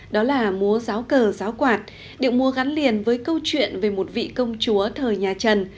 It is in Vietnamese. đó là múa giáo cờ giáo quạt điệu múa gắn liền với câu chuyện về một vị công chúa thời nhà trần